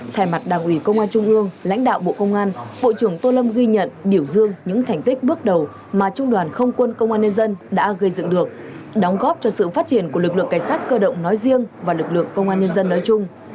thay mặt đảng ủy công an trung ương lãnh đạo bộ công an bộ trưởng tô lâm ghi nhận biểu dương những thành tích bước đầu mà trung đoàn không quân công an nhân dân đã gây dựng được đóng góp cho sự phát triển của lực lượng cảnh sát cơ động nói riêng và lực lượng công an nhân dân nói chung